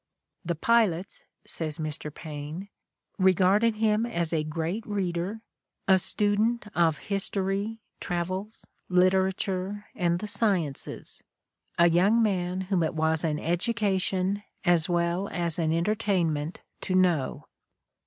'' The pilots, '' says Mr. Paine, '' regarded him as a great reader — a student of history, travels, literature, and the sci ences — a young man whom it was an education as well as an entertainment to know."